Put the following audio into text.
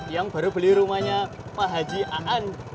yang baru beli rumahnya pak haji aan